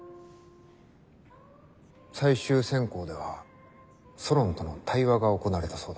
最終選考ではソロンとの対話が行われたそうだ。